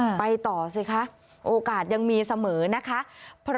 พาพนักงานสอบสวนสนราชบุรณะพาพนักงานสอบสวนสนราชบุรณะ